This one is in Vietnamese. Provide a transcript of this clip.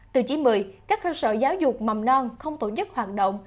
tiêu chí một mươi các cơ sở giáo dục mầm non không tổ chức hoạt động